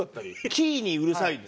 キーにうるさいの？